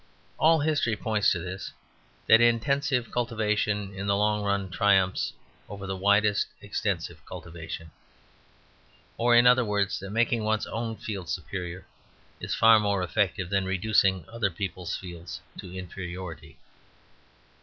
All history points to this; that intensive cultivation in the long run triumphs over the widest extensive cultivation; or, in other words, that making one's own field superior is far more effective than reducing other people's fields to inferiority.